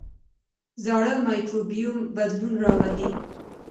زاړه مایکروبیوم بدلون راولي.